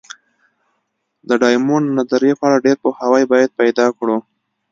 د ډایمونډ نظریې په اړه ډېر پوهاوی باید پیدا کړو.